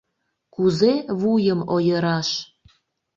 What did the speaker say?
Кузе вуйым ойыраш?!»